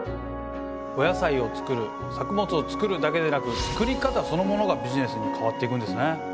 お野菜を作る作物を作るだけでなく作り方そのものがビジネスに変わっていくんですね。